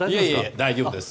大丈夫です。